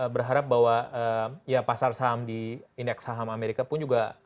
berharap bahwa ya pasar saham di indeks saham amerika pun juga